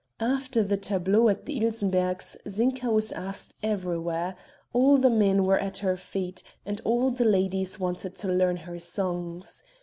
After the tableaux at the Ilsenberghs' Zinka was asked everywhere; all the men were at her feet, and all the ladies wanted to learn her songs.